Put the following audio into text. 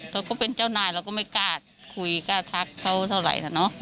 เขาก็เป็นเจ้านายเราก็ไม่กล้าคุยกล้าทักเขาเท่าไหร่นะเนอะ